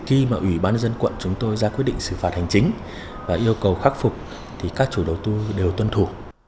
khi mà ủy ban dân quận chúng tôi ra quyết định xử phạt hành chính và yêu cầu khắc phục thì các chủ đầu tư đều tuân thủ